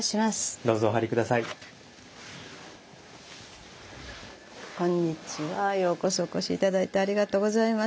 ようこそお越し頂いてありがとうございます。